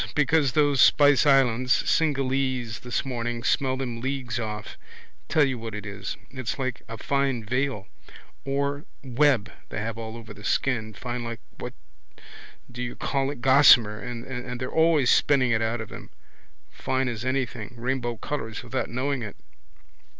Because those spice islands, Cinghalese this morning, smell them leagues off. Tell you what it is. It's like a fine fine veil or web they have all over the skin, fine like what do you call it gossamer, and they're always spinning it out of them, fine as anything, like rainbow colours without knowing it.